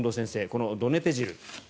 このドネペジル